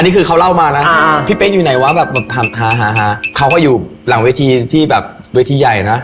เขาก็อยู่หลังเวทีที่แบบเวทีใหญ่นะ